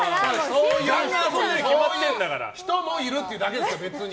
そういう人もいるっていうだけですよ、別に。